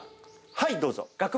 はいどうぞ。